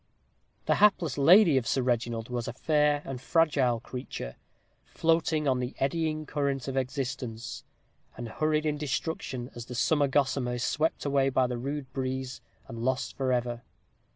The hapless lady of Sir Reginald was a fair and fragile creature, floating on the eddying current of existence, and hurried in destruction as the summer gossamer is swept away by the rude breeze, and lost forever.